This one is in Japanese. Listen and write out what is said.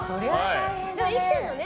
でも生きてるね？